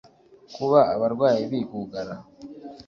kuba abarwayi bi gugara